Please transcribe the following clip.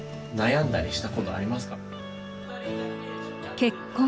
「結婚」